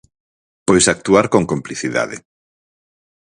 Pois actuar con complicidade.